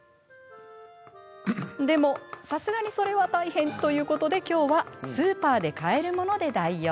でも、それは大変ということできょうはスーパーで買えるもので代用。